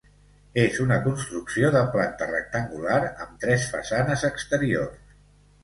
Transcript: És una construcció de planta rectangular amb tres façanes exteriors.